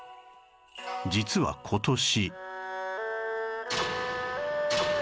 実は今年